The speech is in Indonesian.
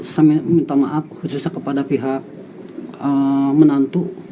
saya minta maaf khususnya kepada pihak menantu